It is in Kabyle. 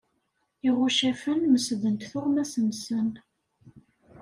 Iɣuccafen mesdent tuɣmas-nsen.